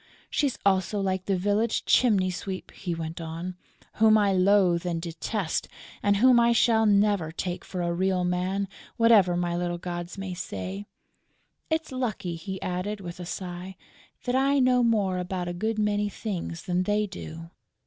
"She's also like the village chimney sweep," he went on, "whom I loathe and detest and whom I shall never take for a real man, whatever my little gods may say.... It's lucky," he added, with a sigh, "that I know more about a good many things than they do!"